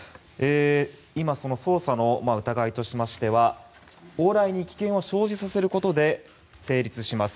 今、その捜査の疑いとしましては往来に危険を生じさせることで成立します